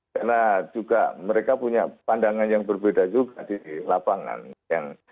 karena juga mereka punya pandangan yang berbeda juga di lapangan